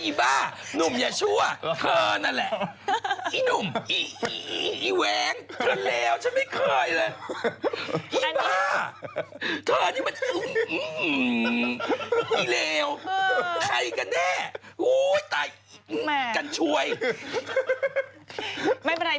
อีบ้าหนุ่มอย่าช่วยเธอนั่นแหละ